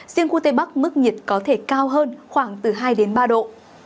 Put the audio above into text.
riêng khu tây bắc mức nhiệt có thể cao hơn khoảng từ hai đến ba độ